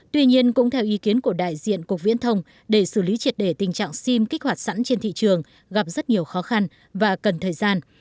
tuy nhiên cũng theo ý kiến của đại diện cục viễn thông để xử lý triệt đề tình trạng sim kích hoạt sẵn trên thị trường gặp rất nhiều khó khăn và cần thời gian